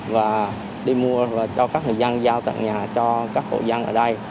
và đi mua và cho các người dân giao tặng nhà cho các hộ dân ở đây